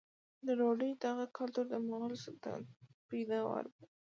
د ډوډۍ دغه کلتور د مغولو د سلطنت پیداوار و.